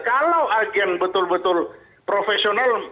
kalau agen betul betul profesional